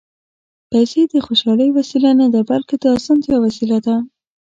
پېسې د خوشالۍ وسیله نه ده، بلکې د اسانتیا وسیله ده.